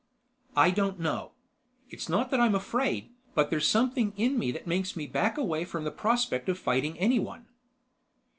"I don't know. It's not that I'm afraid, but there's something in me that makes me back away from the prospect of fighting anyone."